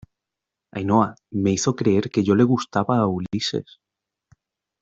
Ainhoa, me hizo creer que yo le gustaba a Ulises.